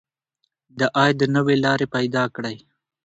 د عاید نوې لارې پیدا کړئ.